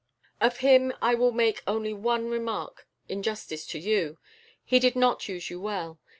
"Of him I will make only one remark in justice to you. He did not use you well.